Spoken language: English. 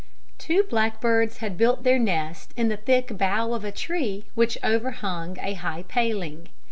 Two blackbirds had built their nest in the thick bough of a tree which overhung a high paling.